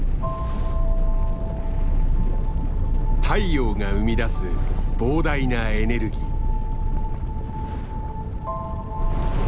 太陽が生み出す膨大なエネルギー。